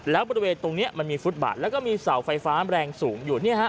แล้วบริเวณตรงนี้มันมีฟุตบาทแล้วก็มีเสาไฟฟ้าแรงสูงอยู่